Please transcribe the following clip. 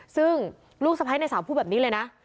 ซึ่งลูกสะพ้ายในสาวพูดแบบนี้เลยนะ